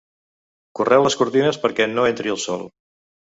Correu les cortines perquè no entri el sol.